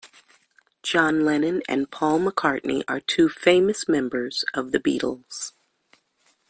John Lennon and Paul McCartney are two famous members of the Beatles.